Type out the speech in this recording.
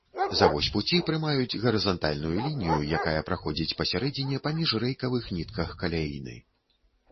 За вось пуці прымаюць гарызантальную лінію, якая праходзіць пасярэдзіне паміж рэйкавых нітках каляіны.